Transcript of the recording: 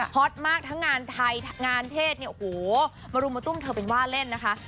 อตมากทั้งงานไทยงานเทศเนี่ยโอ้โหมารุมมาตุ้มเธอเป็นว่าเล่นนะคะ